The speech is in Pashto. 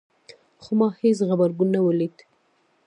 خو ما هیڅ غبرګون ونه لید